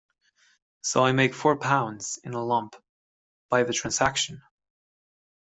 So I make four pounds — in a lump — by the transaction!